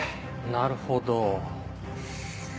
なるほど。